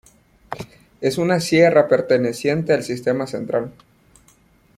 Es una sierra perteneciente al Sistema Central.